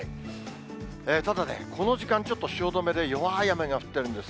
ただね、この時間、ちょっと汐留ね、弱い雨が降ってるんです。